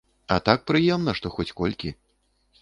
А так прыемна, што хоць колькі.